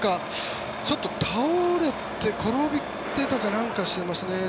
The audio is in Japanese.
ちょっと倒れて転んでたかなんかしてましたね。